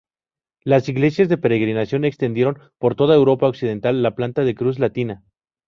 Las iglesias de peregrinación extendieron por toda Europa occidental la planta de cruz latina.